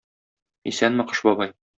Исәнме, Кыш бабай!